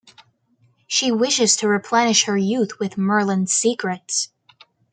She wishes to replenish her youth with Merlin's secrets.